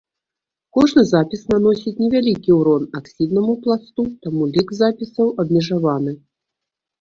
Кожны запіс наносіць невялікі ўрон аксіднаму пласту, таму лік запісаў абмежаваны.